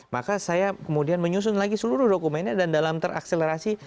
maka saya kemudian menyusun lagi seluruh dokumennya dan dalam terakselerasi